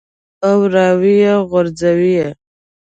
او راویې غورځوې.